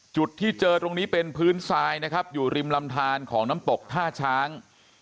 จุดที่เจอตรงนี้เป็นพื้นทรายนะครับอยู่ริมลำทานของน้ำตกท่าช้าง